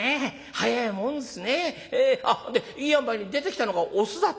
早えもんですね。でいいあんばいに出てきたのがオスだってね」。